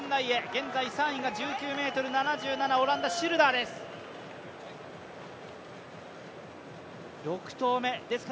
現在３位が１９ｍ７７、オランダのシルダーです。